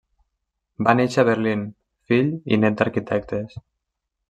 Va néixer a Berlín, fill i nét d'arquitectes.